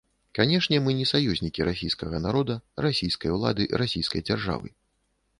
Канешне, мы не саюзнікі расійскага народа, расійскай улады, расійскай дзяржавы.